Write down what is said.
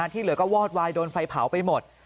ที่เหลือก็วอดวายโดนไฟเผาไปหมด